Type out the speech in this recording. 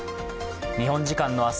日本時間の明日